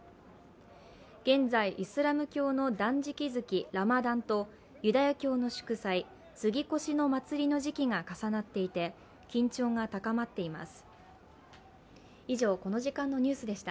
現在、イスラム教の断食月、ラマダンとユダヤ教の祝祭、過ぎ越し祭りの時期が重なっていて緊張が高まっています。